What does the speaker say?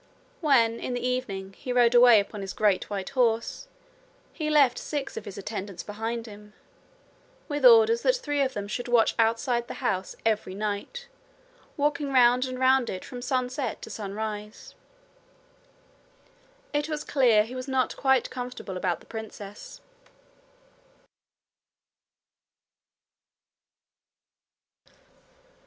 When in the evening he rode away upon his great white horse, he left six of his attendants behind him, with orders that three of them should watch outside the house every night, walking round and round it from sunset to sunrise. It was clear he was not quite comfortable about the princess.